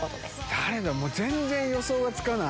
誰だ、もう全然予想がつかない。